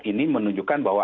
ini menunjukkan bahwa